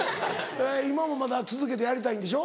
今もまだ続けてやりたいんでしょ？